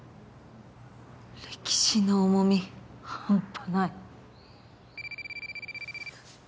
歴史の重みハンパない。